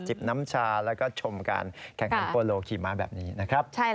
บน้ำชาแล้วก็ชมการแข่งขันโปโลขี่ม้าแบบนี้นะครับ